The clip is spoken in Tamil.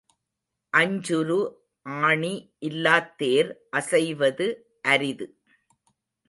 அஞ்சுரு ஆணி இல்லாத் தேர் அசைவது அரிது.